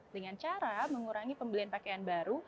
dengan cara mengurangi pembelian pakaian baru